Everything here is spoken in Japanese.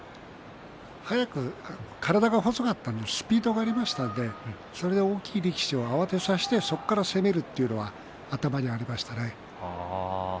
体が細かったのでスピードがありましたのでそれを大きい力士を慌てさせて攻めるというのは頭にありました。